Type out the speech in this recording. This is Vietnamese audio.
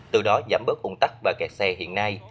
từ đó giảm bớt ung tắc và kẹt xe hiện nay